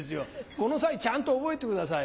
この際ちゃんと覚えてください。